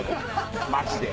マジで。